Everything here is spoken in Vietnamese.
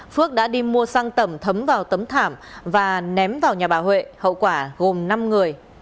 phước đã đi mua xăng tẩm thấm vào tấm thảm và ném vào nhà bà huệ hậu quả gồm năm người